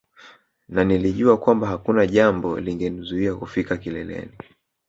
Na nilijua kwamba hakuna jambo lingenizuia kufika kileleni